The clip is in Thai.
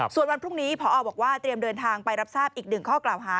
ส่วนวันพรุ่งนี้พอบอกว่าเตรียมเดินทางไปรับทราบอีกหนึ่งข้อกล่าวหา